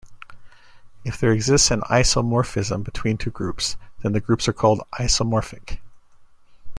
If there exists an isomorphism between two groups, then the groups are called isomorphic.